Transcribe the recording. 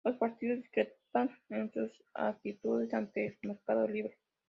Los partidos discrepan en sus actitudes ante el mercado libre.